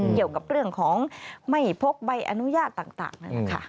เกี่ยวกับเรื่องของไม่พกใบอนุญาตต่างนั่นแหละค่ะ